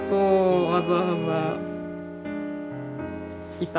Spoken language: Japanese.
いた。